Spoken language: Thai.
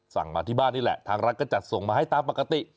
มาที่บ้านนี่แหละทางรัฐก็จัดส่งมาให้ตามปกติ